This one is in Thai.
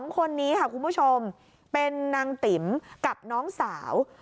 ๒คนนี้ค่ะคุณผู้ชมเป็นนางติ๋มกับน้องสาว